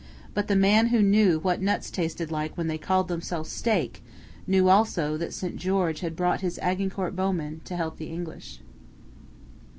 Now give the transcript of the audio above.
But the man who knew what nuts tasted like when they called themselves steak knew also that St. George had brought his Agincourt Bowmen to help the English.